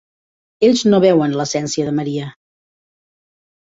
Ells no veuen l'essència de Maria.